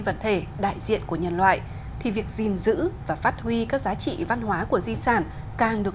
vật thể đại diện của nhân loại thì việc gìn giữ và phát huy các giá trị văn hóa của di sản càng được